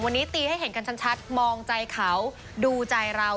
วันนี้ตีให้เห็นกันชัดมองใจเขาดูใจเรา